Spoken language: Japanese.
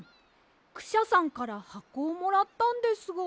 クシャさんからはこをもらったんですが。